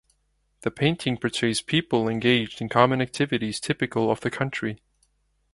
The painting portraits people engaged in common activities typical of the country.